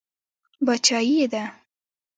باچایي یې ده.